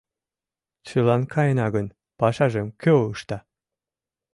Чылан каена гын, пашажым кӧ ышта?